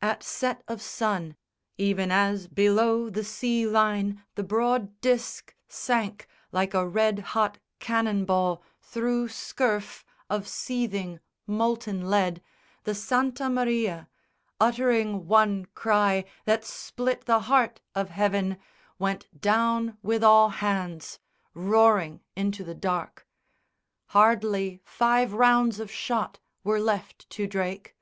At set of sun, Even as below the sea line the broad disc Sank like a red hot cannon ball through scurf Of seething molten lead, the Santa Maria Uttering one cry that split the heart of heaven Went down with all hands, roaring into the dark. Hardly five rounds of shot were left to Drake!